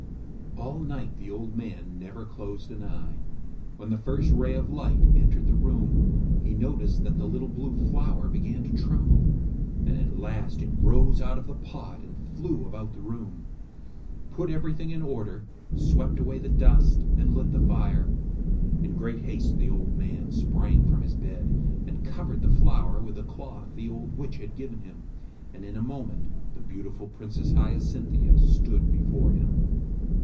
All night the old man never closed an eye. When the first ray of light entered the room, he noticed that the little blue flower began to tremble, and at last it rose out of the pot and flew about the room, put everything in order, swept away the dust, and lit the fire. In great haste the old man sprang from his bed, and covered the flower with the cloth the old witch had given him, and in a moment the beautiful Princess Hyacinthia stood before him.